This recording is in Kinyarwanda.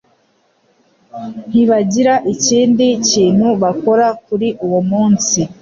ntibagira ikindi kintu bakora kuri uwo munsi.